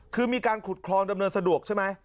คือมีการขุดคลองดำเนินสะดวกใช่ไหม